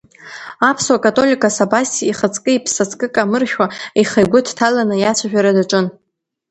Аԥсуа католикос Абас ихаҵкы-иԥсаҵкы камыршәуа, ихы-игәы дҭаланы иацәажәара даҿын.